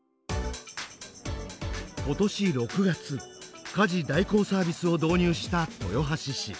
今年６月家事代行サービスを導入した豊橋市。